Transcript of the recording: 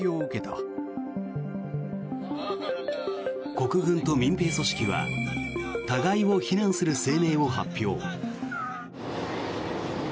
国軍と民兵組織は互いを非難する声明を発表。